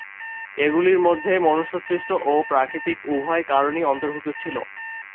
এগুলির মধ্যে মনুষ্যসৃষ্ট ও প্রাকৃতিক উভয় কারণই অন্তর্ভুক্ত ছিল।